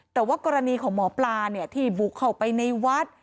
แต่ว่ากรณีของหมอปลาที่บุกเข้าไปในวัด